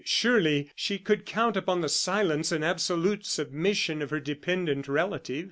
Surely she could count upon the silence and absolute submission of her dependent relative.